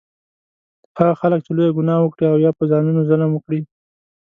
هغه خلک چې لویه ګناه وکړي او یا په ځانونو ظلم وکړي